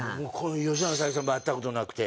吉永小百合さんも会ったことなくて。